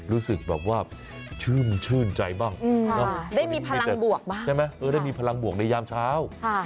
รู้สึกแบบว่าชื่นใจบ้างได้มีพลังบวกบ้างใช่ไหมได้มีพลังบวกในยามเช้า